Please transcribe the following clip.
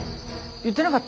言ってなかった？